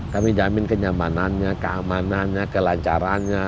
kami jamin kenyamanannya keamanannya kelancarannya